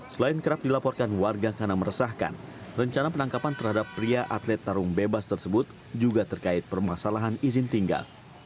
selain kerap dilaporkan warga karena meresahkan rencana penangkapan terhadap pria atlet tarung bebas tersebut juga terkait permasalahan izin tinggal